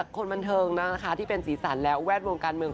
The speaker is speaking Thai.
คนบันเทิงนะคะที่เป็นสีสันและแวดวงการเมือง